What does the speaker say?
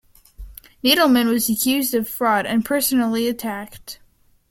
Needleman was accused of fraud and personally attacked.